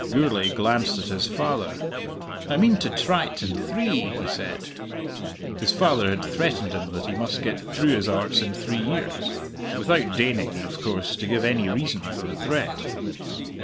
Gourlay glanced at his father. "I mean to try't in three," he said. His father had threatened him that he must get through his Arts in three years without deigning, of course, to give any reason for the threat.